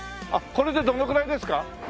これでどのぐらいですか？